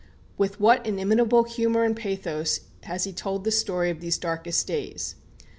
With what inimitable humour and pathos has he told the story of these darkest days!